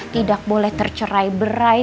tidak boleh tercerai berai